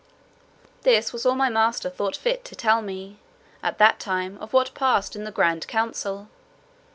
This was all my master thought fit to tell me, at that time, of what passed in the grand council.